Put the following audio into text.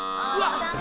残念。